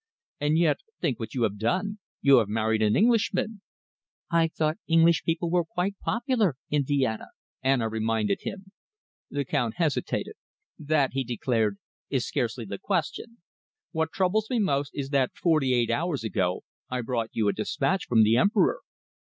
"And yet, think what you have done! You have married an Englishman!" "I thought English people were quite popular in Vienna," Anna reminded him. The Count hesitated. "That," he declared, "is scarcely the question. What troubles me most is that forty eight hours ago I brought you a dispatch from the Emperor."